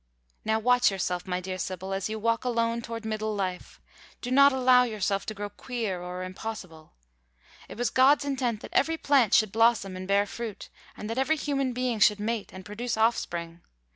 Now watch yourself, my dear Sybyl, as you walk alone toward middle life; do not allow yourself to grow queer or impossible. It was God's intent that every plant should blossom and bear fruit, and that every human being should mate and produce offspring.